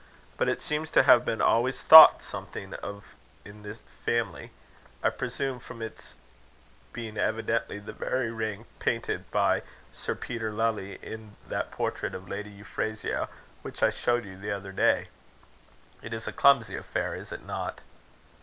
But it seems to have been always thought something of in the family; I presume from its being evidently the very ring painted by Sir Peter Lely in that portrait of Lady Euphrasia which I showed you the other day. It is a clumsy affair, is it not?"